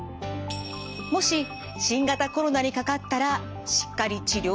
もし新型コロナにかかったらしっかり治療してもらえるの？